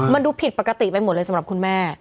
มันดูผิดปกติไปหมดเลยสำหรับคุณแม่